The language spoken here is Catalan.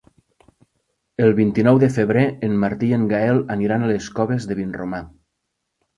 El vint-i-nou de febrer en Martí i en Gaël aniran a les Coves de Vinromà.